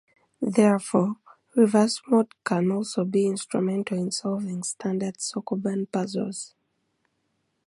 Therefore, reverse mode can also be instrumental in solving standard Sokoban puzzles.